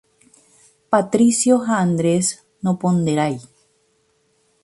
Patricio ha Andrés noponderái